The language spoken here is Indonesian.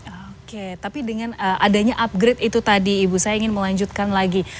oke tapi dengan adanya upgrade itu tadi ibu saya ingin melanjutkan lagi